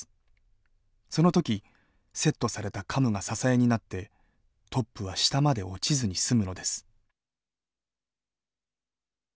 その時セットされたカムが支えになってトップは下まで落ちずに済むのです。